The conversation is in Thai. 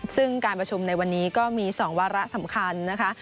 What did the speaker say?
ซึ่งการประชุมในวันนี้ก็มี๒วาระสำคัญนะคะ